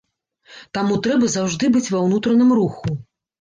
Таму трэба заўжды быць ва ўнутраным руху.